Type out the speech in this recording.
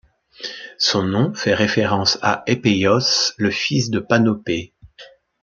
Son nom fait référence à Épéios, le fils de Panopée.